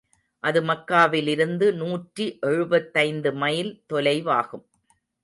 அது மக்காவிலிருந்து நூற்றி எழுபத்தைந்து மைல் தொலைவாகும்.